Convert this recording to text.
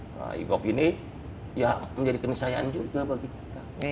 nah e gov ini ya menjadi kenisayaan juga bagi kita